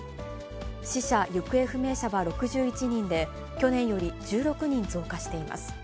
死者・行方不明者は６１人で、去年より１６人増加しています。